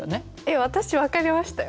私分かりましたよ。